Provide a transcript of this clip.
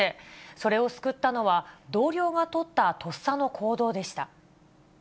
それを救ったのは、同僚が取ったとっさの行動でした。